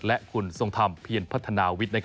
และคุณทรงธรรมเพียรพัฒนาวิทย์